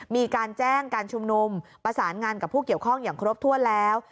มีการแจ้งการชุมนุมประสานงานกับผู้เกี่ยวข้องอย่างครบถ้วนแล้ว